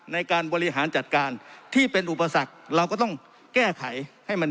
ในการบริหารจัดการที่เป็นอุปสรรคเราก็ต้องแก้ไขให้มัน